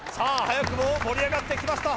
早くも盛り上がってきました